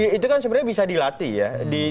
itu kan sebenarnya bisa dilatih ya